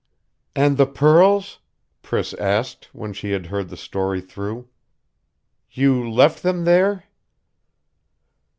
"And the pearls?" Priss asked, when she had heard the story through. "You left them there?"